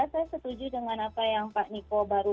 saya setuju dengan apa yang pak niko baru